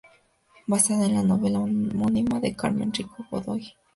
Basada en la novela homónima de Carmen Rico-Godoy.